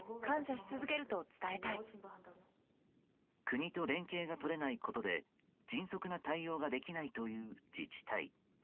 国と連携が取れないことで迅速な対応ができないという自治体。